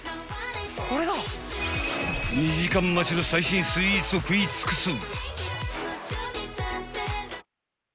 ［２時間待ちの最新スイーツを食い尽くす］